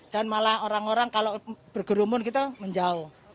dan malah orang orang kalau bergerumun gitu menjauh